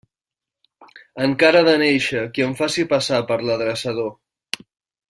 Encara ha de néixer qui em faci passar per l'adreçador.